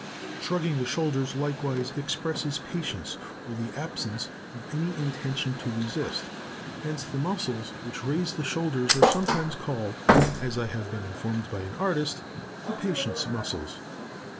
Shrugging the shoulders likewise expresses patience, or the absence of any intention to resist. Hence the muscles which raise the shoulders are sometimes called, as I have been informed by an artist, the patience muscles.